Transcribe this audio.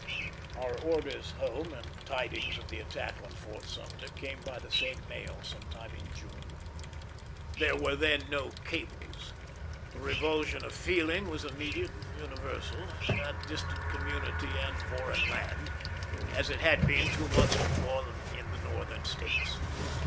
Our orders home, and tidings of the attack on Fort Sumter, came by the same mail, some time in June. There were then no cables. The revulsion of feeling was immediate and universal, in that distant community and foreign land, as it had been two months before in the Northern States.